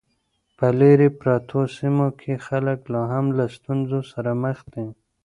په لیرې پرتو سیمو کې خلک لا هم له ستونزو سره مخ دي.